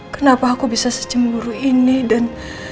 kenapa aku bisa secemburu ini dan